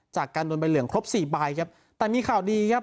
จากการโดนใบเหลืองครบสี่ใบครับแต่มีข่าวดีครับ